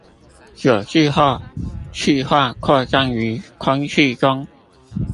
久置後汽化擴散於空氣中